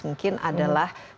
yang itu adalah pemerintah